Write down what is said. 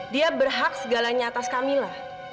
dia berhak segalanya atas kamila